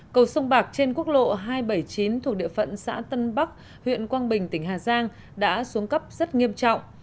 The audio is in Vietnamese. cầu sông bạc trên quốc lộ hai trăm bảy mươi chín thuộc địa phận xã tân bắc huyện quang bình tỉnh hà giang đã xuống cấp rất nghiêm trọng